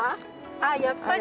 あっやっぱり。